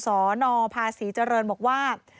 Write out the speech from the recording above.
สนภาษีเจริญบอกว่า